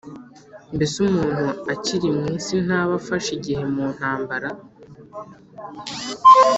“mbese umuntu akiri mu isi ntaba afashe igihe mu ntambara’